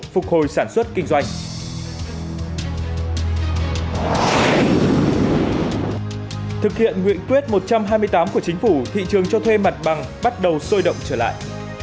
thực hiện nguyện quyết một trăm hai mươi tám của chính phủ thị trường cho thuê mặt bằng bắt đầu sôi động trở lại